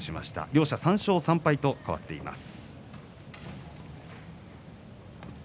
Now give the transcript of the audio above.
両者３勝３敗と変わっています。